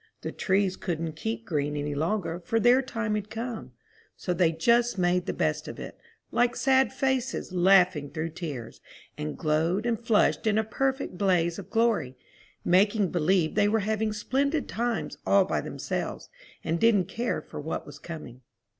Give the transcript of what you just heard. The trees couldn't keep green any longer, for their time had come; so they just made the best of it, like sad faces laughing through tears, and glowed and flushed in a perfect blaze of glory, making believe they were having splendid times all by themselves, and didn't care for what was coming.